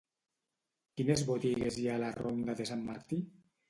Quines botigues hi ha a la ronda de Sant Martí?